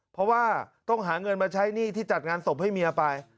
เพราะว่าต้องหาเงินมาใช้หนี้ที่จัดงานศพให้เมียไป